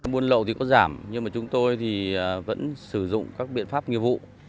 buôn lậu thì có giảm nhưng mà chúng tôi thì vẫn sử dụng các biện pháp nghiệp vụ